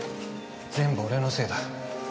全部俺のせいだ。